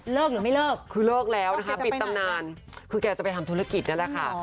หรือไม่เลิกคือเลิกแล้วนะคะปิดตำนานคือแกจะไปทำธุรกิจนั่นแหละค่ะ